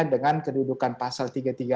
dengan kedudukan pasal tiga ratus tiga puluh